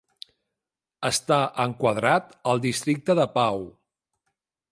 Està enquadrat al districte de Pau.